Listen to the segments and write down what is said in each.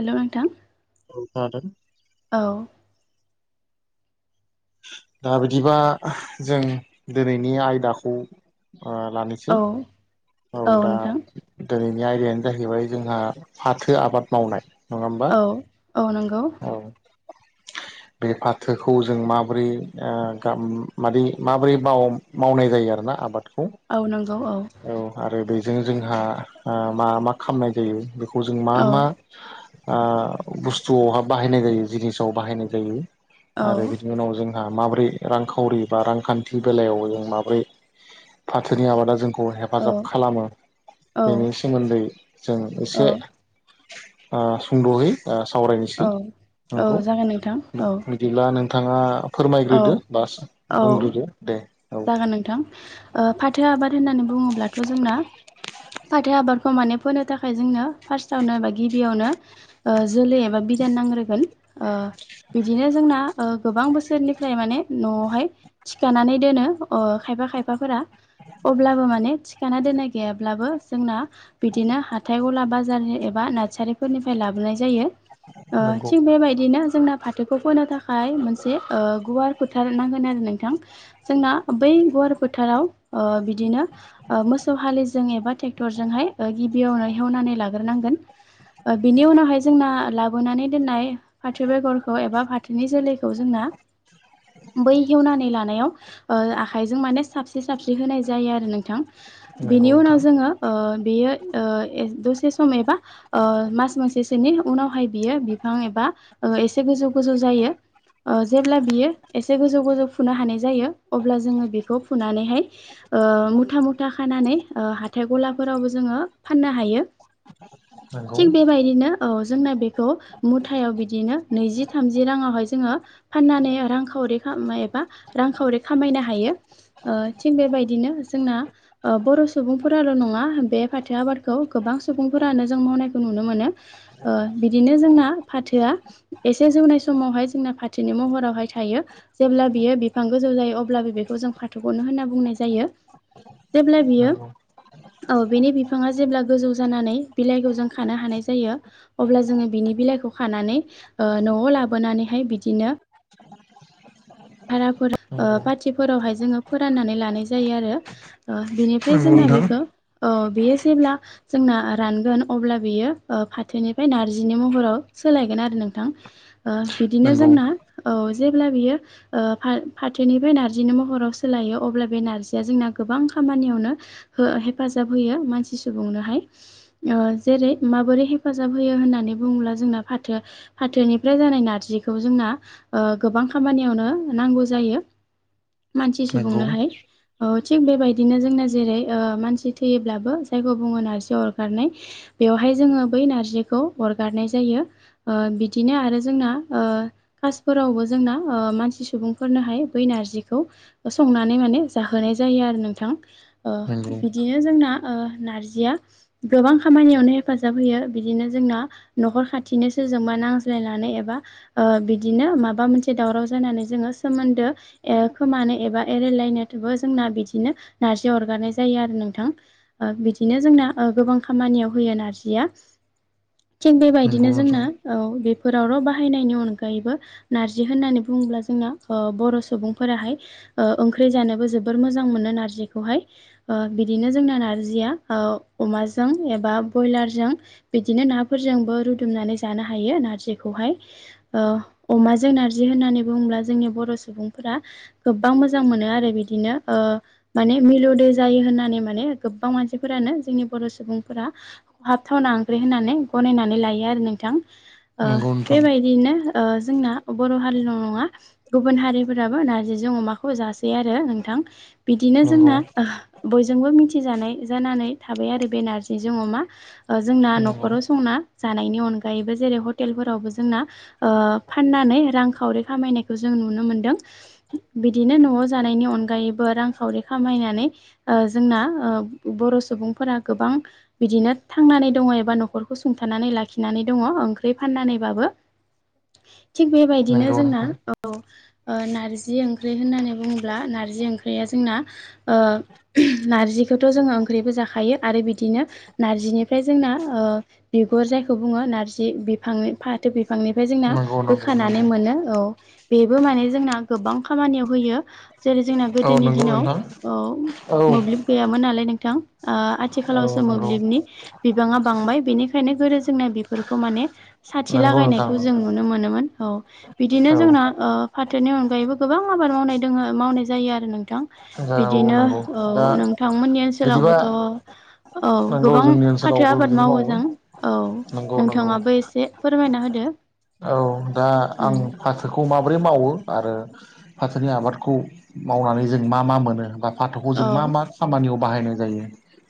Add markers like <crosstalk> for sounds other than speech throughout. हेल' नोंथां। औ खोनादों। औ। दा बिदिबा जों दिनैनि आयदाखौ लानो। औ औ। दा नोंथां दिनैनि आयदायानो जाहैबाय जोंहा फाथो आबाद मावनाय। नङा होमबा औ औ नंगौ। औ। बे फाथोखौ जों माबोरै मादै माबोरै बाव। मावनाय जायो आरोना आबादखौ। औ नंगौ औ। औ आरो बेजों जोंहा मा मा खालामामनाय जायो बेखौ जों मा औ मा? आ बुस्थुआवह बाहायनाय जायो जिनिसाव बाहायनाय जायो। औ आरो बिनि उनाव जोंहा माबोरै रांखावरि बा रांखान्थि बेलायाव जों माबोरै। फाथोनि आबादा जोंखौ हेल्प औ हेफाजाब खालामो औ बेनि सोमोन्दै जों एसे औ ओ सुंद'है ओ सावरायनोसै औ जागोन नोंथां औ बिदिब्ला नोंथाङा औ फोरमायग्रोदो बास बुंग्रोदो दे। औ जागोन नोंथां ओ फाथो आबाद होननानै बुङोब्लाथ' जोंना फाथो आबादखौ माने फोनो थाखाय जोंनो फार्स्टआवनो बा गिबियावनो ओ जोलै एबा बिदान नांग्रोगोन ओ बिदिनो जोंना ओ गोबां बोसोरनिफ्राय माने न'आवहाय थिखानानै दोनो ओ खायफा खायफाफोरा अब्लाबो माने गाना दोननाय गैयाब्लाबो जोंना बिदिनो हाथाय गला बाजार एबा नार्सारिफोरनिफ्राय लाबोनाय जायो। नंगौ थिग बेबायदिनो जोंना फाथो। खौ फोनो थाखाय मोनसे गुवार फोथार नांगोन आरो नोंथां जोंना बै गुवार फोथाराव ओ बिदिनो ओ मोसौ हालिजों एबा ट्रेक्टरजोंहाय ओ गिबियावनो हेवनानै लाग्रोनांगोन। ओ बिनि उनावहाय जोंना लाबोनानै दोननाय फाथो बेगरखौ एबा फाथोनि जोलैखौ जोंना बै हेवनानै लानायाव ओ आखाइजों माने साबस्रि साबस्रि होनाय जायो आरो नोंथां। नंगौ बिनि उनाव नोंथां जोङो ओ बेयो ओ दसे सम एबा ओ मास मोनसेसोनि उनावहाय बियो बिफां एबा ओ एसे गोजौ गोजौ जायो ओ जेब्ला बियो एसे गोजौ गोजौ फुनो हानाय जायो अब्ला जोङो बेखौ फुनानैहाय ओ मुथा मुथा खानानै ओ हाथाइ गलाफोरावबो जोङो फाननो हायो। नंगौ थिग बेबायदिनो औ जोंना बेखौ मुथायाव बिदिनो नैजि थामजि राङावहाय जोङो फाननानै रांखावरि एबा रांखावरि खामायनो हायो। ओ थिग बेबायदिनो जोंना ओ बर' सुबुंफोराल' नङा बे फाथो आबादखौ गोबां सुबुंफोरानो जों मावनायखौ नुनो मोनो। ओ बिदिनो जोंना फाथोआ एसे जौनाय समावहाय जोंना फाथोनि महरावहाय थायो जेब्ला बियो बिफां गोजौ जायो अब्लाबो बेखौ जों फाथोखौनो होनना बुंनाय जायो जेब्ला बियो नंगौ औ बेनि बिफाङा जेब्ला गोजौ जानानै बिलाइखौ जों खानो हानाय जायो। अब्ला जोङो बिनि बिलाइखौ खानानै ओ न'आव लाबोनानैहाय बिदिनो <unintelligible> ओ नंगौ पाटिफोरावहाय जोङो फोराननानै लानाय जायो आरो। ओ बेनिफ्राय नंगौ जोंना नोंथां बेखौ औ बेयो जेब्ला जोंना रानगोन अब्ला ओ बियो फाथोनिफ्राय नार्जिनि महराव सोलायगोन आरो नोंथां। ओ बिदिनो नंगौ जोंना औ जेब्ला बियो ओ फाथोनिफ्राय नारजिनि महराव सोलायो अब्ला बे नार्जिया जोंना गोबां खामानियावनो हो हेफाजाब होयो मानसि सुबुंनोहाय। ओ जेरै माबोरै हेफाजाब होयो होननानै बुङोब्ला जोंना फाथो फाथोनिफ्राय जानाय नारजिखौ जोंना ओ गोबां खामानियावनो नांगौ जायो मानसि नंगौ सुबुंनोहाय। औ थिग बेबायदिनो जोंना ओ जेरै मानसि थैयोब्लाबो जायखौ बुङो नारजि अरगारनाय बेवहाय जोङो बै नारजिखौ अरगारनाय जायो। ओ बिदिनो आरो जोंना ओ कासफोरावबो जोंना ओ मानसि सुबुं फोरनोहाय बै नारजिखौ संनानै माने जाहोनाय जायो आरो नोंथां। ओ नंगौ बिदिनो जोंना ओ नारजिया गोबां खामानियावनो हेफाजाब होयो बिदिनो जोंना न'खर खाथिनो सोरोजोंबा नांज्लायनानै एबा ओ बिदिनो माबा मोनसे दावराव जानानै जोङो सोमोन्दो ओ खोमानो एबा एरायलायनोबो जोंना बिदिनो नारजि अरगारनाय जायो आरो नोंथां। ओ बिदिनो जोंना ओ गोबां खामानियाव होयो नारजिया। थिग नंगौ बेबायदिनो जोंना नोंथां औ बेफोराव र' बाहायनायनि अनगायैबो नारजि होननानै बुङोब्ला जोंना बर' सुबुंफोराहाय ओंख्रि जानोबो जोबोर मोजां मोनो नारजिखौहाय बिदिनो जोंना नारजिया अमाजों एबा बयलारजों बिदिनो नाफोरजोंबो रुदुमनानै जानो हायो नारजिखौहाय। अमाजों नारजि होननानै बुङ्ला जोंनि बर' सुबुंफोरा गोबां मोजां मोनो आरो बिदिनो ओ माने मिलौदे जायो होननानै माने गोबबां मानसिफोरानो जोंनि बर' सुबुंफोरा हाबथावना ओंख्रि होननानै गनायनानै लायो आरो नोंथां। ओ नंगौ नोंथां बेबायदिनो ओ जोंना बर' हारिल' नङा गुबुन हारिफोराबो नारज जों अमाखौ जासै आरो। नोंथां, बिदिनो नंगौ जोंना बयजोंबो मिथिजानाय जानानै थाबाय आरो बे नारजिजों अमा। जोंना नंगौ न'खराव संना जानायनि अनगायैबो जेरै हटेलफोरावबो जोंना फाननानै रांखावरि खामायनाय खौ जों नुनो मोनदों बिदिनो न'आव जानायनि अनगायैबो रांखावरि खामायनानै जोंना बर' सुबुंफोरा गोबां बिदिनो थांनानै दङ एबा न'खरखौ सुंथानानै लाखिनानै दङ, ओंख्रि फाननानैबाबो <inaudible> थिग बेबायदिनो नंगौ जोंना नोंथां औ नारजि ओंख्रि होननानै बुङोब्ला नारजि ओंख्रिया जोंना नारजिखौथ' जोङो ओंख्रिबो जाखायो आरो बिदिनो नार्जिनिफ्राय जोंना बिगुर जायखौ बुङो नारजि बिफांनि फाथो बि बिफांनिफ्राय जोंना नंगौ नंगौ बोखानानै नंगौ मोनो औ बेबो माने जोंना गोबां खामानियाव होयो। जेरै जोंना औ गोदोनि नंगौ दिनाव नोंथां ओ औ मोब्लिब गैयामोन नालाय नोंथां ओ। औ आथिखालावसो नंगौ मोब्लिबनि बिबाङा बांबाय बेनिखायनो गोदो जोंना बेफोरखौ माने साथि नंगौ नोंथां लागायनायखौ जों नंगौ नुनो मोनोमोन औ बिदिनो औ जोंना ओफाथोनि अनगायैबो गोबां आबाद मावनाय दङ मावनाय जायो आरो नोंथां। बिदिनो नंगौ औ दा नोंथांमोननि बिदिबा ओनसोलावबोथ' औ नंगौ गोबां जोंनि फाथो ओनसोलावबो आबाद बिदिनो मावो जों औ नंगौ नंगौ नोंथाङाबो एसे फोरमायना होदो औ दा उम आं फाथोखौ माबोरै मावो, आरो फाथोनि आबादखौ मावनानै जों मा मा मोनो बा फाथ'खौ जों औ मा मा खामानियाव बाहायनाय जायो?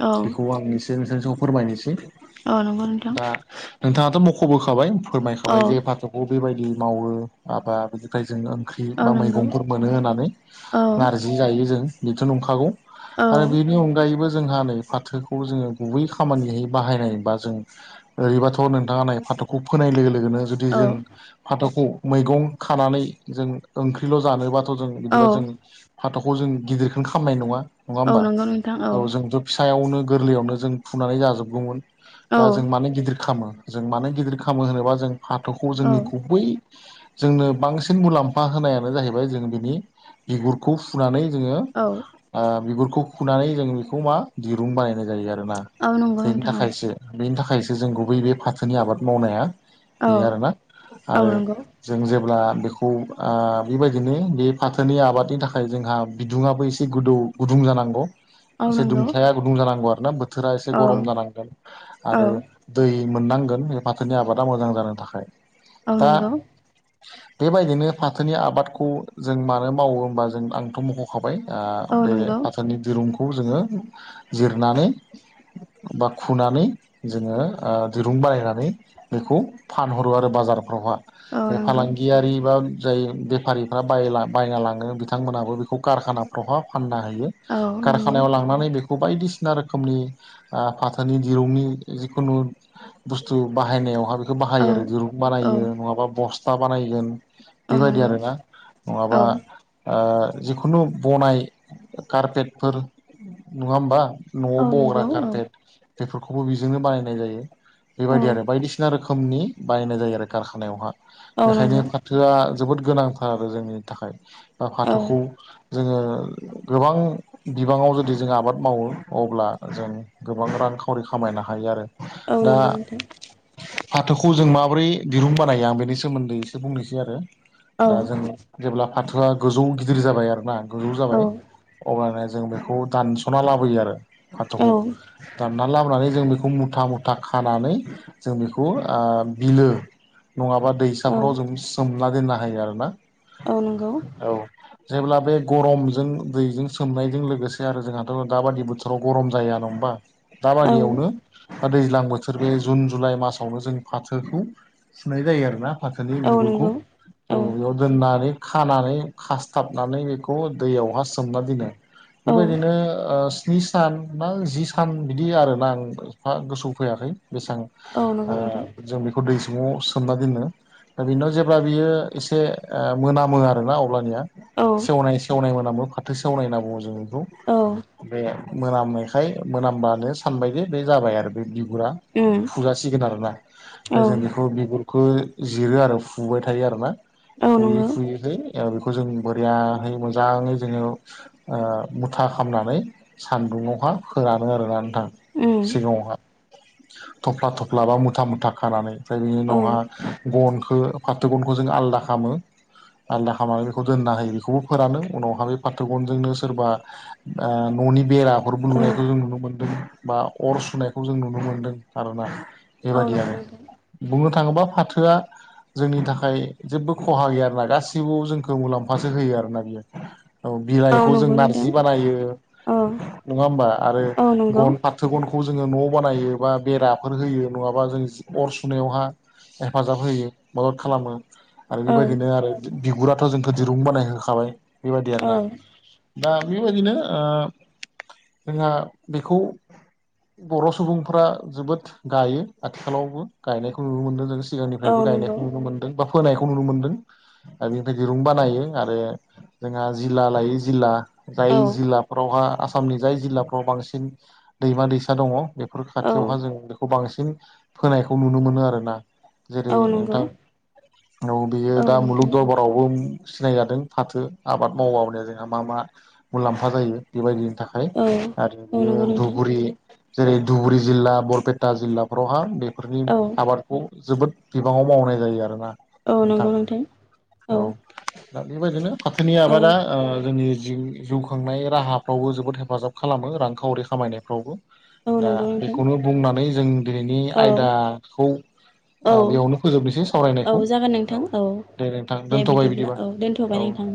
औ बेखौ आंनिसोर नोंसोरनिस फोरमायनोसै। औ नंगौ नोंथां। दा नोंथाङाथ' मख'बोखाबाय औ फोरमायखाबाय जे फाथ'खौ बेबायदि मावो आबाद बिदि ओमफ्राय जों ओंख्रि औ बा नंगौ मैगंफोर मोनो होननानै औ नारजि जायो जों बेथ' नंखागौ। औ आरो बेनि अनगायैबो जोंहा नै फाथोखौ जोङो गुबै खामानियै बाहायनाय बा जों ओरैबाथ' नोंथाङा नाय फाथ'खौ फोनायनाय लोगो लोगोनो। औ जों फाथौखौ मैं खानानै जों ओंख्रिल' जानोबा ाथ' जों औ बिदिबा जों फाथ'खौ जों गिदिरखौनो खालामनाय नङा नङा औ होमबा नंगौ नोंथां औ जों ज फिसायावनो गोरलैयावनो जों फुनानै जाजोबगौमोन औ दा जों मानो गिदिर खालामो। जों मानो गिदिर खामो होनोबा जों फाथौखौ औ जोंनि गुबै जोंनो बांसिन मुलाम्फा होनायानो जाहैबाय जों बिनि बिगुरखौ फुनानै जोङो औ। बिगुरखौ खुनानै जों बेखौ मा दिरुं बानायनाय जायो आरोना, औ नंगौ बेनि नोंथां थाखायसो बेनि थाखायसो जों गुबै बे फाथोनि आबाद मावनाया, औ बे आरोना। औ आरो नंगौ जों जेब्ला बेखौ बेबायदिनो बे फाथोनि आबादनि थाखाय जोंहा बिदुङआो एसे गोदौ गुदुं जानांगौ। औ एसे नंगौ दुंथाया गुदुं जानांगौ आरो ना बोथोरा एसे औ गरम जानांगोन औ आरो दै मोननांगोन बे फाथोनि आबादा मोजां जानो थाखाय औ दा नंगौ बेबायदिनो फाथोनि आबादखौ जों मानो मावो होमबा जों आंथ' <unintelligible> <unintelligible> औ बे नंगौ फाथोनि दिरुंखौ जोङो जिरनानै बा खुनानै जोङो दिरुं बानायनानै बेखौ फानहरो आरो बाजारफ्रावहा औ बे नंगौ फालांगियारि बा जाय बेफारिफ्रा बायना लाङो बिथांमोनहाबो बेखौ कारखानाफ्रावहा फानना होयो। औ नंगौ कारखानायाव लांनानै बेखौ खौ बायदिसिना रोखोमनि फाथोनि दिरुंनि जिखुनु बुस्थु बाहायनायावहा बेखौ औ बाहायो आरो गोरप औ बानायो नङाबा बस्था बानायगोन। औ बेबायदि नंगौ आरोना, औ नङाबा ओ जिखुनु बनाय कारपेटफोर नङा होमबा? न'आव औ बग्रा नंगौ औ कारपेट बेफोरखौबो बेजोंनो बानायनाय जायो बेबायदि आरो बायदिसिना रोखोम नि बायनाय जायो आरो कारखानायावहा औ बेखायनो नंगौ फाथोआ जोबोद गोनांथार आरो जोंनि थाखाय बा औ फाथोखौ जोङो गोबां बिबाङाव जुदि जों आबाद मावो अब्ला जों गोबां रां खावरि खामायनो हायो आरो। औ दा नोंगौ नोंथां फाथोखौ जों माबोरै दिरुं बानायो आं बेनि सोमोन्दै एसे बुंनोसै आरो औ दा जों जेब्ला फाथोआ गोजौ गिदिर जाबाय आरो ना गोजौ औ जाबाय अब्लानिया। जों बेखौ दान स'ना लाबोयो आरो औ फाथोखौ। दानना लाबोनानै जों बेखौ मुथा मुथा खानानै जों बेखौ ओ बिलो नङाबा दैसाफोराव जों सोमना दोननो हायो आरोना। औ नोंगौ। औ जेब्ला बे गरमजों दैजों सोमनायजों लोगोसे आरो जोंहाथ' दाबादि बोथोराव गरम जाया नङा होमबा। औ दााबादियावनो बा दैज्लां बोथोर बे जुन जुलाइ मास आवनो जों फाथोखौ फुनाय जायो आरोना फाथोनि औ बिगुरखौ नंगौ औ दोननानै खानानै खासथाबनानै बेखौ दैयावहा सोमना दोनो। औ बेबायदिनो ओ स्नि सान ना जि सान बिदि आरोना आं एफा गोसौ फैयाखै बेसां औ नंगौ ओ नोंथां जों बेखौ दै समाव सोमना दोनो। दा बेनि उनाव जेब्ला बियो एसे ओ मोनामो आरोना अब्लानिया औ सेवनाय सेवनाय मोनामो फाथो सेवनाय होनना बुङो जों बेखौ औ बे मोनामनायखाय मोनामबानो सानबाय जे बे जाबाय आरो बे बिगुरा उम फुजासिगोन आरोना ओमफ्राय औ जों बेखौ बिगुरखौ जिरो आरो फुबाय थायो आरो ना। औ फुयै नंगौ फुयैहै ओ बेखौ जों बोरियहै मोजाङै जोङो ओ मुथा खामनानै सान्दुंङावहा फोरानो आरोना नोंथां उम सिगाङावहा थफ्ला थफ्ला बा मुथा मुथा खानानै ओमफ्राय बिनि औ उनावहा गनखौ फाथो गनखौ जों आलादा खामो। आलदा खालामनानै बेखौ दोनना होयो बेखौबो फोरानो उनावहा बे फाथो गनजोंनो सोरबा आ न'नि बेरा अरबो औ लुनायखौ जों नुनो मोन्दों बा अर सुनायखौ जों नुनो मोन्दों आरोना। औ बेबादि नंगौ आरो नोंथां बुंनो थाङोब्ला फाथोआ जोंनि थाखाय जेबो खहा गैया आरोना गासिबो जोंखौ मुलाम्फासो होयो आरोना बियो। औ औ बिलाइखौ जों नंगौ नोंथां नारजि बानायो औ नङा होमबा आरो औ नंगौ गन फा थोगनखौ जोङो न' बानायो बा बेराफोर होयो नङाबा जों अर सुनायावहा हेफाजाब होयो मदद खालामो। आरो औ बेबायदिनो आरो बिगुराथ' जोंखौ दिरुं बानायहोखाबाय बेबायदि औ आरोना। दा बेबायदिनो जोंहा बेखौ बर' सुबुंफ्रा जोबोद गायो। आथिखालावबो गायनायखौ नुनो मोन्दों जों औ सिगांनिफ्रायबो नंगौ गायनायखौ नुनो मोन्दों बा फोनायखौ नुनो मोन्दों। आरो <unintelligible> दिरुं बानायो आरो जोंहा जिल्ला लायो जिल्ला औ जाय जिल्लाफ्रावहा आसामनि जाय जिल्लाफ्राव बांसिन दैमा दैसा दङ बेफोर औ खाथियावहा जों बेखौ बांसिन फोनायखौ नुनो मोनो आरोना जेरै औ नंगौ नोंथां औ बेयो औ दा मुलुग नोंथां दरबा रावबो सिनायजादों फाथो आबाद मावाब जोंहा मा मा मुलाम्फा जायो बेबायदिनि थाखाय। औ आरो औ बियो नंगौ नोंथां धुबुरि जेरै धुबुरि जिल्ला बरपेटा जिल्ला रावहा बेफोरनि औ आबादखौ जोबोद बिबाङाव मावनाय जायो आरोना। औ नोंथां नंगौ नोंथा औ। दा बेबायदिनो फाथोनि औ आबादा अ जोंनि <unintelligible> खांनाय राहाफ्रावबो जोबोद हेफाजाब खालामो रांखावरि खामायनायफ्रावबो औ दा नंगौ नोंथां बेखौनो बुंनानै जों दिनैनि औ आयदाखौ औ बेयावनो फोजोबनोसै औ सावरायनायखौ जागोन नोंथां औ। दे नोंथां दोनथ'बाय बिदिब्ला बिदिबा औ दोनथ'बाय औ। नोंथां